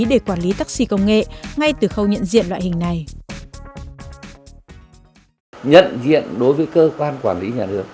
để quản lý taxi công nghệ ngay từ khâu nhận diện loại hình này